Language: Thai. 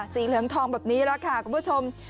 สีเหลืองทองแบบนี้แล้วค่ะคุณผู้ชม